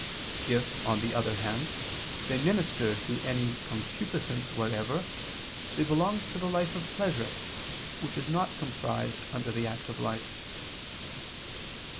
If, on the other hand, they minister to any concupiscence whatever, they belong to the life of pleasure, which is not comprised under the active life.